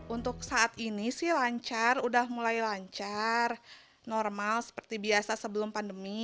untuk saat ini sih lancar udah mulai lancar normal seperti biasa sebelum pandemi